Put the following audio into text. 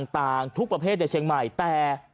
ทุกประเภทในเชียงใหม่แต่